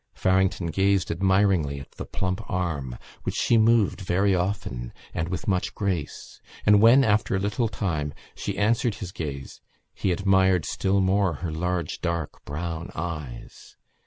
Farrington gazed admiringly at the plump arm which she moved very often and with much grace; and when, after a little time, she answered his gaze he admired still more her large dark brown eyes.